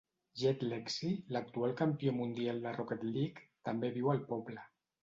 Jed Lexy, l'actual campió mundial de Rocket League també viu al poble.